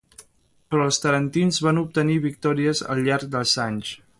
Però els tarentins van obtenir victòries al llarg dels anys.